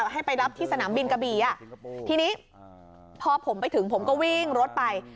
ให้ไปรับที่สนามบินกะบี่ทีนี้พอผมไปถึงผมก็วิ่งรถไป